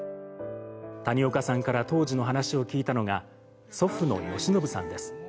谷岡さんから当時の話を聞いたのが、祖父の慶宣さんです。